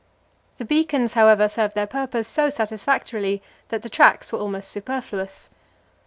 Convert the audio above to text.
The beacons, however, served their purpose so satisfactorily that the tracks were almost superfluous.